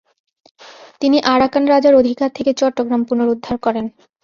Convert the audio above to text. তিনি আরাকান রাজার অধিকার থেকে চট্টগ্রাম পুনরুদ্ধার করেন।